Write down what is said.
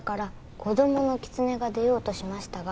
「子供のキツネが出ようとしましたが」